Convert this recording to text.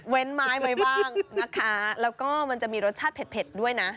ไม้ไว้บ้างนะคะแล้วก็มันจะมีรสชาติเผ็ดด้วยนะ